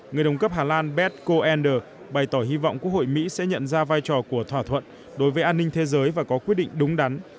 người đồng cấp hà lan beetco ender bày tỏ hy vọng quốc hội mỹ sẽ nhận ra vai trò của thỏa thuận đối với an ninh thế giới và có quyết định đúng đắn